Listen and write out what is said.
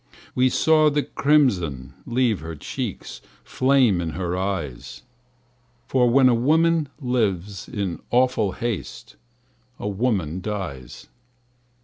We saw the crimson leave her cheeks Flame in her eyes; For when a woman lives in awful haste A woman dies.